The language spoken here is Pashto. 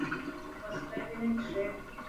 وسله وینه څښي